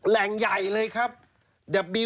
แหล่งใหญ่เลยครับ